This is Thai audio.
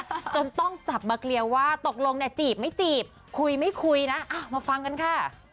จนต้องจับมาเคลียร์ว่าตกลงเนี่ยจีบไม่จีบคุยไม่คุยนะอ้าวมาฟังกันค่ะ